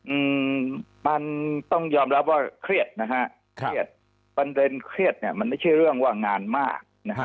อืมมันต้องยอมรับว่าเครียดนะฮะเครียดประเด็นเครียดเนี้ยมันไม่ใช่เรื่องว่างานมากนะฮะ